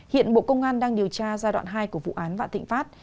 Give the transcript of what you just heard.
hiện bộ công an đang điều tra giai đoạn hai của vụ án vạn thịnh pháp